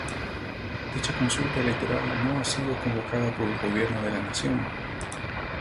Dicha consulta electoral no ha sido convocada por el Gobierno de la Nación.